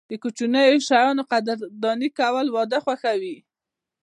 د کوچنیو شیانو قدرداني کول، واده خوښوي.